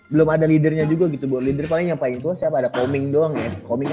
belum ada lidernya juga gitu boleh diperlukan yang paling tua siapa ada komik doang ya komiknya